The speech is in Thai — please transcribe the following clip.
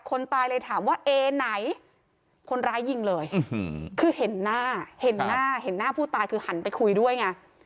คนตายเลยถามว่าเอไหนคนร้ายยิงเลยคือเห็นหน้าผู้ตายคือหันไปคุยด้วยไง